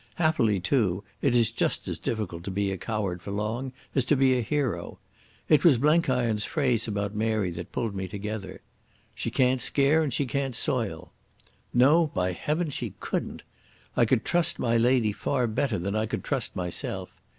Happily, too, it is just as difficult to be a coward for long as to be a hero. It was Blenkiron's phrase about Mary that pulled me together—"She can't scare and she can't soil". No, by heavens, she couldn't. I could trust my lady far better than I could trust myself.